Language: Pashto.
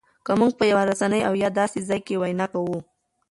که مونږ په یوه رسنۍ او یا داسې ځای کې وینا کوو